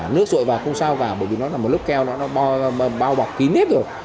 nước rội vào không sao cả bởi vì nó là một lớp keo nó bao bọc kín hết rồi